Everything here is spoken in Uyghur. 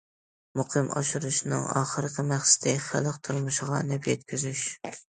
مۇقىم ئاشۇرۇشنىڭ ئاخىرقى مەقسىتى خەلق تۇرمۇشىغا نەپ يەتكۈزۈش.